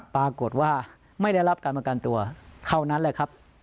ปรากฏว่าไม่ได้รับการประกันตัวเท่านั้นแหละครับ